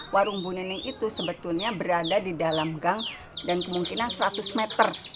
warung bu neneng itu sebetulnya berada di dalam gang dan kemungkinan seratus meter